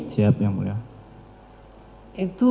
siap ya mulia